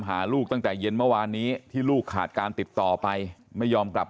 หาลูกตั้งแต่เย็นเมื่อวานนี้ที่ลูกขาดการติดต่อไปไม่ยอมกลับ